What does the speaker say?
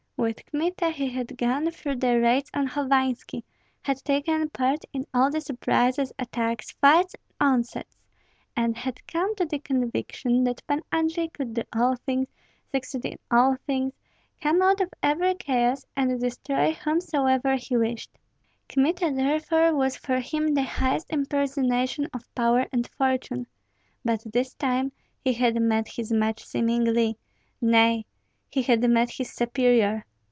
With Kmita he had gone through the "raids" on Hovanski; had taken part in all the surprises, attacks, fights, and onsets, and had come to the conviction that Pan Andrei could do all things, succeed in all things, come out of every chaos, and destroy whomsoever he wished. Kmita therefore was for him the highest impersonation of power and fortune, but this time he had met his match seemingly, nay, he had met his superior.